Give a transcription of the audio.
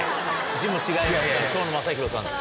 字も違いますから蝶野正洋さん。